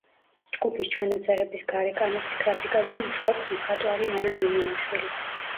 ჯგუფის ჩანაწერების გარეკანების გრაფიკაზე მუშაობს მხატვარი ანა მიმინოშვილი.